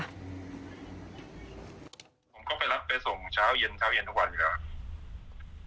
ผมก็ไปรับไปส่งเช้าเย็นทุกวันอยู่แล้ว